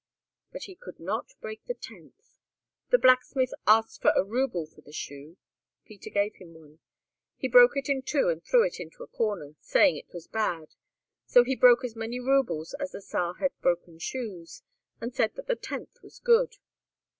But he could not break the tenth. The blacksmith asked a rouble for the shoe. Peter gave him one. He broke it in two and threw it into a corner, saying it was bad and so he broke as many roubles as the Czar had broken shoes, and said that the tenth was good.